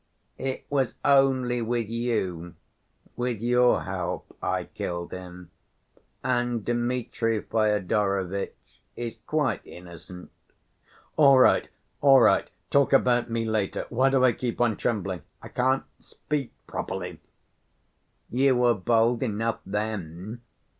"It was only with you, with your help, I killed him, and Dmitri Fyodorovitch is quite innocent." "All right, all right. Talk about me later. Why do I keep on trembling? I can't speak properly." "You were bold enough then.